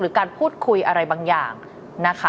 การพูดคุยอะไรบางอย่างนะคะ